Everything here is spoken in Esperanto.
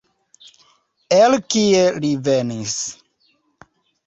El kie li venis?